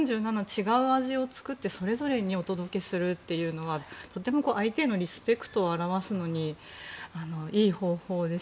違う味を作ってそれぞれにお届けするというのはとても相手へのリスペクトを表すのにいい方法です。